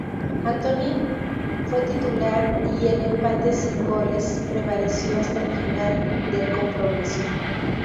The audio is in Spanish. Anthony fue titular y el empate sin goles prevaleció hasta el final del compromiso.